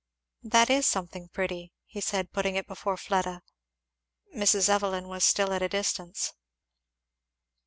"That is something pretty," he said putting it before Fleda. Mrs. Evelyn was still at a distance.